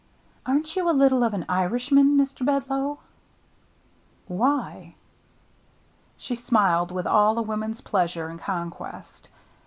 "Aren't you a little of an Irishman, Mr. Bedloe ?" "Why?" She smiled, with all a woman's pleasure in conquest.